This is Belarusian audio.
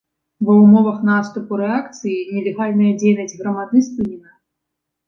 Ва ўмовах наступу рэакцыі нелегальная дзейнасць грамады спынена.